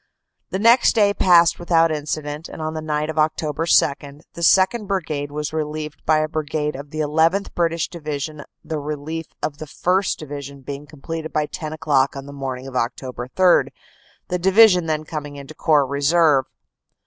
The next day passed without incident, and on the night of Oct. 2 the 2nd. Brigade was relieved by a Brigade of the llth. British Division the relief of the 1st. Division being completed by ten o clock on the morning of Oct. 3, the Division then coming into Corps Reserve."